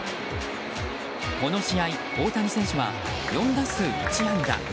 この試合大谷選手は４打数１安打。